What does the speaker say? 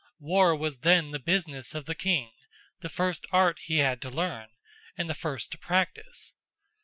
War was then the business of the King; the first art he had to learn, and the first to practise.